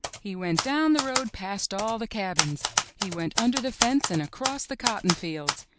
He went down the road past all the cabins. He went under the fence and across the cotton fields.